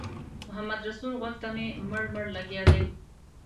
محمدرسول غوږ ته مې مړ مړ لګیا دی.